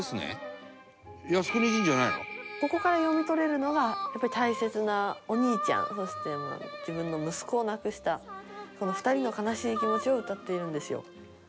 ここから読み取れるのがやっぱり大切なお兄ちゃんそして、自分の息子を亡くしたこの２人の悲しい気持ちを歌っているんですよ。